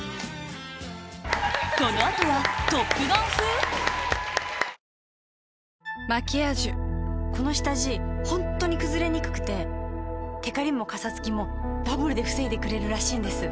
この後はトップガン風⁉「マキアージュ」この下地ホントにくずれにくくてテカリもカサつきもダブルで防いでくれるらしいんです。